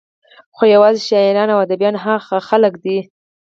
خو يوازې شاعران او اديبان هغه خلق دي